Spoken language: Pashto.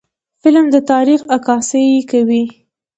فلم د تاریخ عکاسي کوي